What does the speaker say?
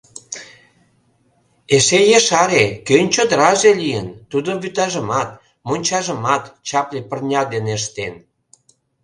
— Эше ешаре, кӧн чодыраже лийын, тудо вӱтажымат, мончажымат чапле пырня дене ыштен.